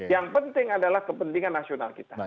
yang penting adalah kepentingan nasional kita